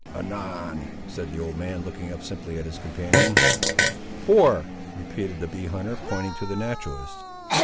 "Anan," said the old man, looking up simply at his companion. "Four," repeated the bee hunter, pointing to the naturalist.